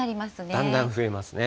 だんだん増えますね。